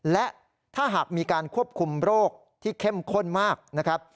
และถ้าหากมีการควบคุมโรคที่เข้มข้นมากนะครับ